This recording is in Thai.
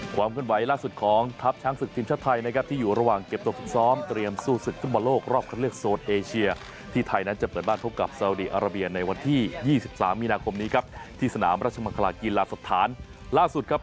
ความเคลื่อนไหวล่าสุดของทัพช้างศึกทีมชาติไทยนะครับที่อยู่ระหว่างเก็บตัวฝึกซ้อมเตรียมสู้ศึกฟุตบอลโลกรอบคันเลือกโซนเอเชียที่ไทยนั้นจะเปิดบ้านพบกับสาวดีอาราเบียในวันที่๒๓มีนาคมนี้ครับที่สนามราชมังคลากีฬาสถานล่าสุดครับ